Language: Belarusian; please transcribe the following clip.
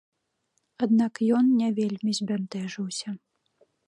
Аднак ён не вельмі збянтэжыўся.